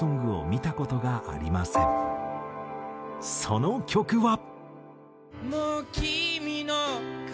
その曲は。